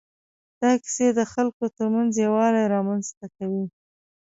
دا کیسې د خلکو تر منځ یووالی رامنځ ته کوي.